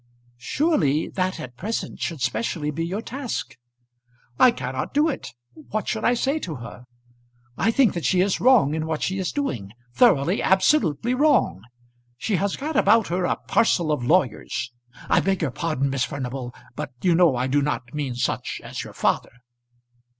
"Surely that at present should specially be your task." "I cannot do it. What should I say to her? I think that she is wrong in what she is doing; thoroughly, absolutely wrong. She has got about her a parcel of lawyers. I beg your pardon, Miss Furnival, but you know I do not mean such as your father."